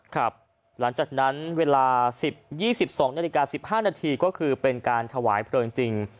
ครับหลังจากนั้นเวลาสิบยี่สิบสองนาฬิกาสิบห้านาทีก็คือเป็นการถวายเผลอจริงจริง